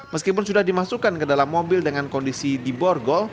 meskipun sudah dimasukkan ke dalam mobil dengan kondisi di borgol